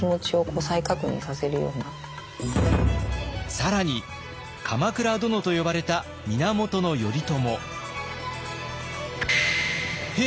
更に鎌倉殿と呼ばれた源頼朝。